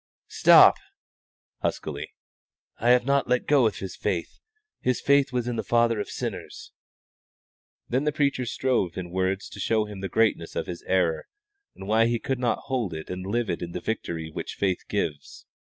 "Stop!" (huskily). "I have not let go of His faith. His faith was in the Father of sinners." Then the preacher strove in words to show him the greatness of his error, and why he could not hold to it and live in the victory which faith gives.